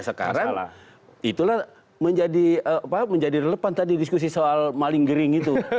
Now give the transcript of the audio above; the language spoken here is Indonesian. sekarang itulah menjadi relevan tadi diskusi soal maling gering itu